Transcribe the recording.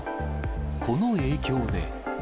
この影響で。